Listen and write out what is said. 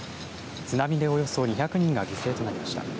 津波で、およそ２００人が犠牲となりました。